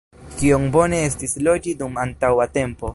Kiom bone estis loĝi dum antaŭa tempo!